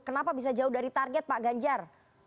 kenapa bisa jauh dari target pak ganjar